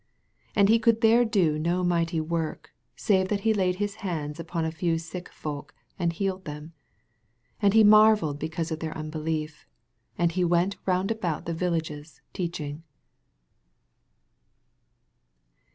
5 And he could there do no mighty work, save that he laid his hands up on a few sick folk, and healed them. 6 And he marvelled because of their unbelief. And he went round about the villages, teaching.